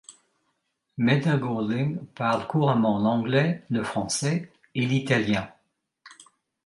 Meta Golding parle couramment l'anglais, le français et l'italien.